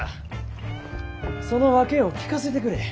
その訳を聞かせてくれ。